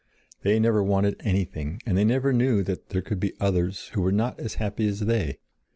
They never wanted anything and they never knew that there could be others who were not as happy as they.